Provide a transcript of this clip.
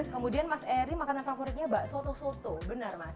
kemudian mas eri makanan favoritnya bakso soto benar mas